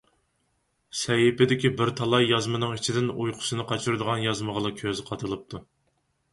سەھىپىدىكى بىر تالاي يازمىنىڭ ئىچىدىن ئۇيقۇسىنى قاچۇرىدىغان يازمىغىلا كۆزى قادىلىپتۇ.